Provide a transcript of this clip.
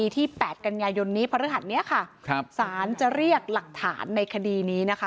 ที่๘กันยายนนี้สารจะเรียกหลักฐานในคดีนี้นะคะ